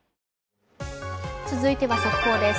続いては速報です。